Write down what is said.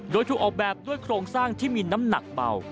โดยถูกออกแบบด้วยโครงสร้างที่มีน้ำหนักเบา